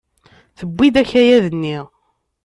Tewwi-d akayad-nni.